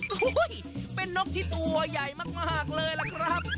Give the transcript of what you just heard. อู้หู้หู้ยเป็นนกที่ตัวใหญ่มากเลยล่ะครับ